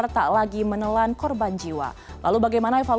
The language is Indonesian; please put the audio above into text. selamat sore assalamualaikum wr wb